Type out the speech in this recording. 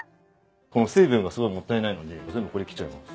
この水分がもったいないので全部ここで切っちゃいます